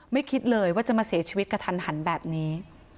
คิดเลยว่าจะมาเสียชีวิตกระทันหันแบบนี้